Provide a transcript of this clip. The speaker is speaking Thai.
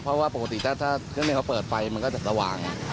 เพราะว่าปกติถ้าเครื่องนี้เขาเปิดไฟมันก็จะสว่าง